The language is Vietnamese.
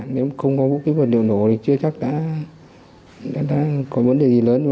nếu không có vũ khí vật liệu nổ thì chưa chắc đã có vấn đề gì lớn